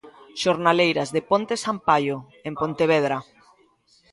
Xornaleiras de Ponte Sampaio, en Pontevedra.